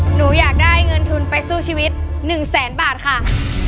หนูอยากได้เงินทุนไปสู้ชีวิต๑แสนบาทค่ะ